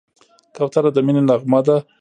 کوتره د مینې نغمه ده.